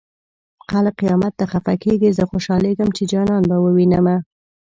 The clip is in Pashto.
خلک قيامت ته خفه کيږي زه خوشالېږم چې جانان به ووينمه